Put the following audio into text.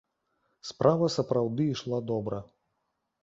Справа сапраўды ішла добра.